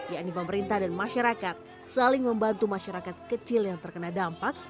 yakni pemerintah dan masyarakat saling membantu masyarakat kecil yang terkena dampak